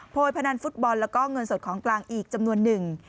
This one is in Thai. ยพนันฟุตบอลแล้วก็เงินสดของกลางอีกจำนวนหนึ่ง